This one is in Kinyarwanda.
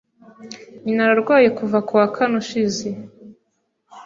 Nyina ararwaye kuva ku wa kane ushize.